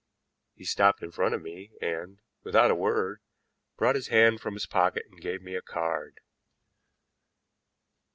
He stopped in front of me and, without a word, brought his hand from his pocket and gave me a card.